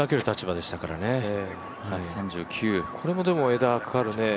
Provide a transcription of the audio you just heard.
これも枝かかるね。